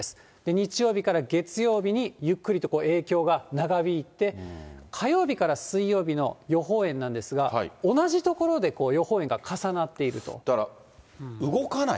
日曜日から月曜日に、ゆっくりと影響が長引いて、火曜日から水曜日の予報円なんですが、だから、動かない？